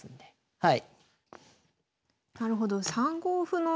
はい。